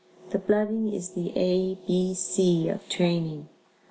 The blooding is the "A, B, C" of training.